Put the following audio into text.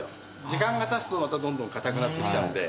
時間がたつとまたどんどん硬くなってきちゃうんで。